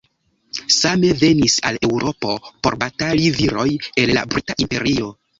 Same venis al Eŭropo por batali viroj el la Brita Imperio.